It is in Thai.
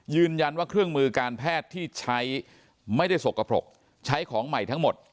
ยืนยันว่าเครื่องมือการแพทย์ที่ใช้ไม่ได้สกปรกใช้ของใหม่ทั้งหมด